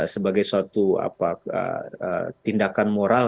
sebagai suatu tindakan moral